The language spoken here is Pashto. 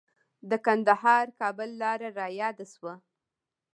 د کندهار-کابل لاره رایاده شوه.